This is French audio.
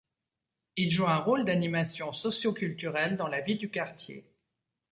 Il joue un rôle d'animation socio-culturelle dans la vie du quartier.